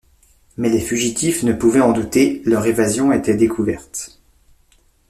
Mais les fugitifs ne pouvaient en douter, leur évasion était découverte.